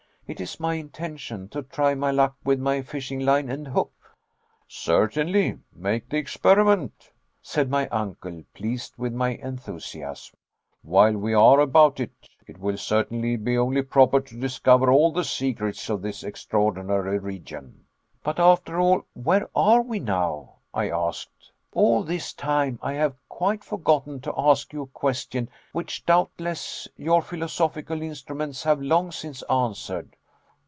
It is my intention to try my luck with my fishing line and hook." "Certainly; make the experiment," said my uncle, pleased with my enthusiasm. "While we are about it, it will certainly be only proper to discover all the secrets of this extraordinary region." "But, after all, where are we now?" I asked; "all this time I have quite forgotten to ask you a question, which, doubtless, your philosophical instruments have long since answered."